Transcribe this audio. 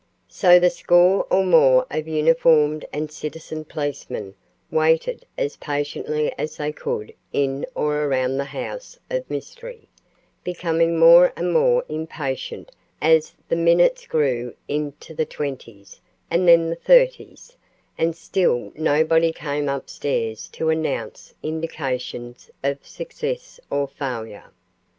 So the score or more of uniformed and citizen policemen waited as patiently as they could in or around the house of mystery, becoming more and more impatient as the minutes grew into the twenties and then the thirties, and still nobody came upstairs to announce indications of success or failure.